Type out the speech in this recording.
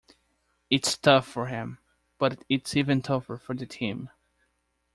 It’s tough for him, but it’s even tougher for the team.